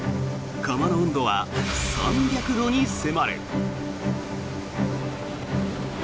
窯の温度は３００度に迫る。